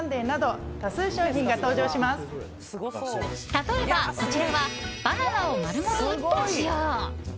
例えば、こちらはバナナを丸ごと１本使用。